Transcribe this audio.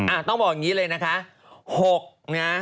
อ้าวต้องบอกอย่างนี้เลยนะคะ